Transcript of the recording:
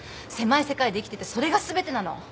狭い世界で生きててそれが全てなの。